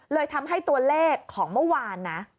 เลยทำให้ตัวเลขของเมื่อวานนะ